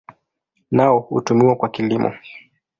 Nao hutumiwa kwa kilimo.